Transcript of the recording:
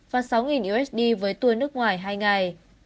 và sáu usd với tour nước ngoài hai ngày